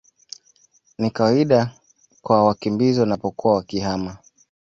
ni kawaida kwa wakimbizi wanapokuwa wakihama